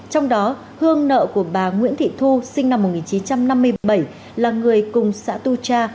trong đó hương nợ của bà nguyễn thị thu sinh năm một nghìn chín trăm năm mươi bảy là người cùng xã tu cha